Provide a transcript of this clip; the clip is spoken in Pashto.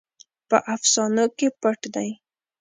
په افسانو کې پټ دی.